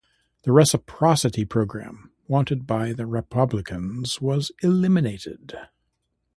The reciprocity program wanted by the Republicans was eliminated.